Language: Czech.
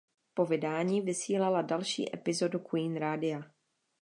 Po vydání vysílala další epizodu Queen Radia.